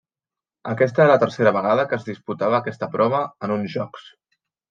Aquesta era la tercera vegada que es disputava aquesta prova en uns Jocs.